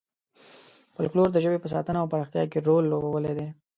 فولکلور د ژبې په ساتنه او پراختیا کې رول لوبولی دی.